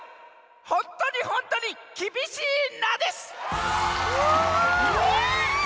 ほんとにほんとにきびしいな」です！